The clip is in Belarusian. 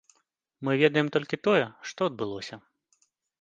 Мы ведаем толькі тое, што адбылося.